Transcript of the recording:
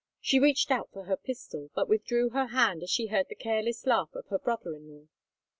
She reached out for her pistol, but withdrew her hand as she heard the careless laugh of her brother in law.